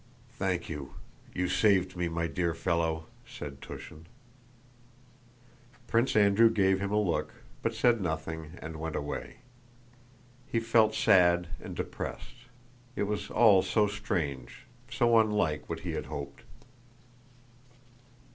"Thank you; you saved me, my dear fellow!" said Túshin. Prince Andrew gave him a look, but said nothing and went away. He felt sad and depressed. It was all so strange, so unlike what he had hoped.